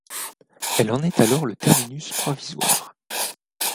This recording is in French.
Elle en est alors le terminus provisoire.